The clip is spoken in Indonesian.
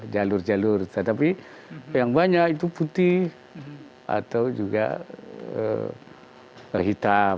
jalur jalur tetapi yang banyak itu putih atau juga hitam